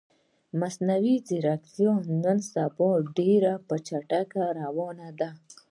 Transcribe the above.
مصنوعی ځیرکتیا نن سبا ډیره په چټکې روانه ده